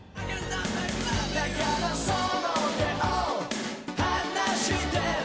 「だからその手を離して」